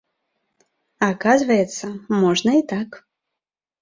Аказваецца, можна і так.